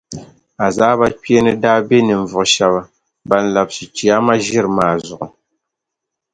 Azaaba kpeeni daa be ninvuɣu shɛba ban labsi Chiyaama ʒiri maa zuɣu.